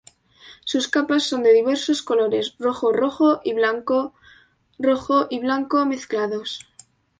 Sus capas son de diversos colores: rojo, rojo y blanco, rojo y blanco mezclados.